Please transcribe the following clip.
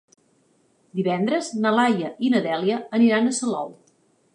Divendres na Laia i na Dèlia aniran a Salou.